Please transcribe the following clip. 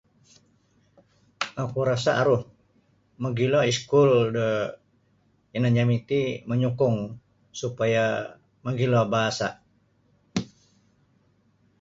Oku rasa' aru mogilo iskul da yanan jami' ti manyukung supaya mogilo bahasa'.